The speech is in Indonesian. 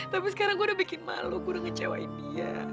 tapi sekarang gue udah bikin malu gue ngecewain dia